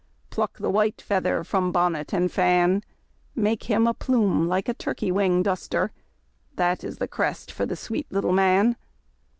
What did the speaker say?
Pluck the white feather from bonnet and fan, Make him a plume like a turkey wing duster, — That is the crest for the sweet little man.